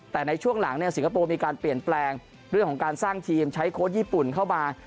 แต่ในช่วงหลังสิงคโปร์มีการเปลี่ยนแปลงเรื่องของการสร้างทีมใช้โค้ชญี่ปุ่นเข้ามา